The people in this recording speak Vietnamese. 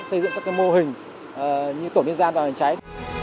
xây dựng các mô hình như tổn biên gia toàn hành cháy